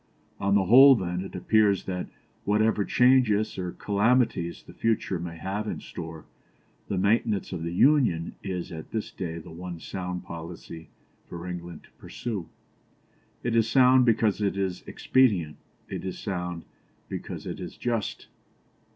"On the whole, then, it appears that, whatever changes or calamities the future may have in store, the maintenance of the Union is at this day the one sound policy for England to pursue. It is sound because it is expedient; it is sound because it is just."